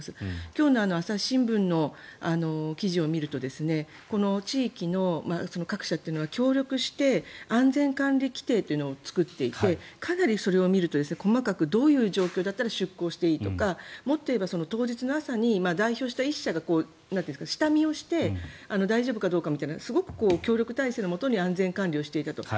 今日の朝日新聞の記事を見るとこの地域の各社というのは協力して安全管理規定というのを作っていてかなりそれを見ると細かくどういう状況だったら出航していいとかもっと言えば当日の朝に代表した１社が下見をして大丈夫かどうかみたいなのを協力体制のもとに安全管理をしていたと。